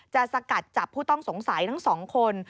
สกัดจับผู้ต้องสงสัยทั้งสองคน